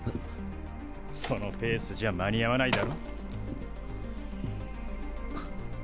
そのペースじゃまにあわないだろ。